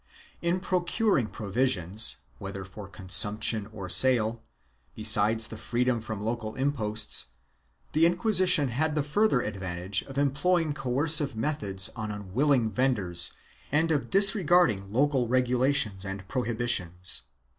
2 In procuring provisions, whether for consumption or sale, besides the freedom from local imposts, the Inquisition had the further advantage of employing coercive methods on unwilling vendors and of disregarding local regulations and prohibitions.